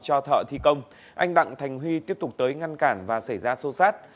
cho thợ thi công anh đặng thành huy tiếp tục tới ngăn cản và xảy ra xô xát